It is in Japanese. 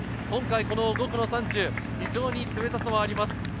今回５区、非常に冷たさがあります。